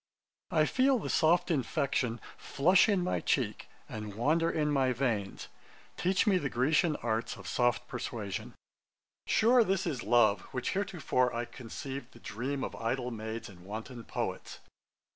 '_I feel the soft infection Flush in my cheek, and wander in my veins. Teach me the Grecian arts of soft persuasion.' 'Sure this is love, which heretofore I conceived the dream of idle maids, and wanton poets.'